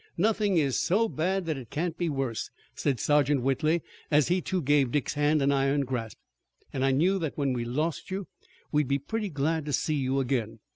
"Nothing is so bad that it can't be worse," said Sergeant Whitley, as he too gave Dick's hand an iron grasp, "and I knew that when we lost you we'd be pretty glad to see you again.